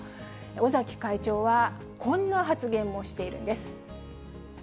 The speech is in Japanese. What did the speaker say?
尾崎会長は、こんな発言もしているんです。